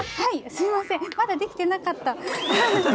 すいませんまだできてなかった。